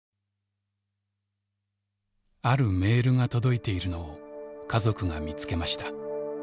あるメールが届いているのを家族が見つけました。